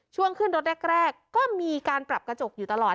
ช่วงขึ้นรถแรกก็มีการปรับกระจกอยู่ตลอด